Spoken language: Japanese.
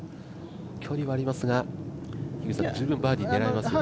距離はありますが十分バーディー狙えますよね。